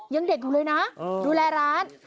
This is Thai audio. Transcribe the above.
ยังเด็กอยู่เลยนะดูแลร้าน